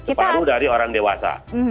separuh dari orang dewasa